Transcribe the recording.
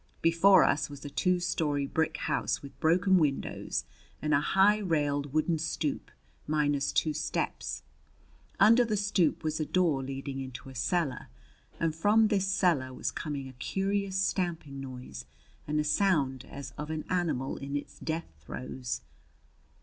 Before us was a two story brick house with broken windows and a high, railed wooden stoop, minus two steps. Under the stoop was a door leading into a cellar, and from this cellar was coming a curious stamping noise and a sound as of an animal in its death throes.